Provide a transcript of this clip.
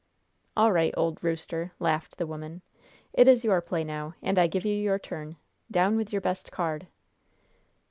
"All right, old rooster!" laughed the woman. "It is your play now, and I give you your turn! Down with your best card!"